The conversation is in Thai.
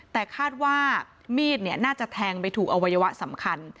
แต่คาดว่ามีดน่าจะแทงไปถูกอวัยวะสำคัญ